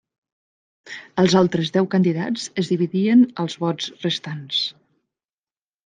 Els altres deu candidats es dividien els vots restants.